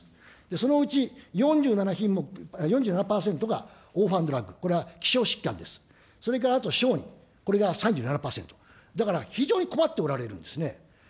そのうち４７品目、４７％がオーファンドラッグ、それからあと承認、これが３７％、だから非常に困っておられるんですね。